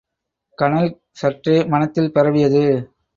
கனல் சற்றே மனத்தில் பரவியது.